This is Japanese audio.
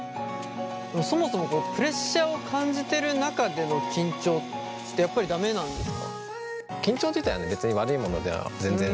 そもそもプレッシャーを感じてる中での緊張ってやっぱり駄目なんですか？